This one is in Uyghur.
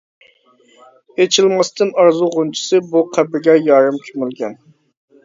ئېچىلماستىن ئارزۇ غۇنچىسى بۇ قەبرىگە يارىم كۆمۈلگەن.